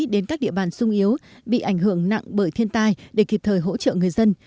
đến các địa bàn sung yếu bị ảnh hưởng nặng bởi thiên tai để kịp thời hỗ trợ người dân